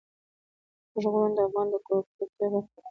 اوږده غرونه د افغانانو د ګټورتیا برخه ده.